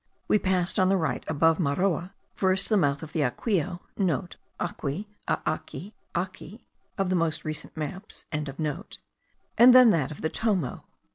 We passed on the right, above Maroa, first the mouth of the Aquio* (Aqui, Aaqui, Ake, of the most recent maps.), then that of the Tomo.